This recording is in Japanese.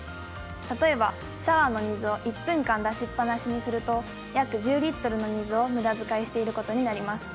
例えば、シャワーの水を１分間出しっぱなしにすると約１０リットルの水をむだづかいしていることになります。